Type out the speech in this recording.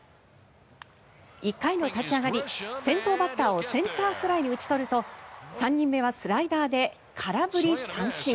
１回の立ち上がり先頭バッターをセンターフライに打ち取ると３人目はスライダーで空振り三振。